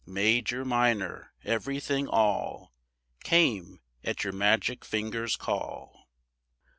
Major, minor, everything all Came at your magic fingers' call.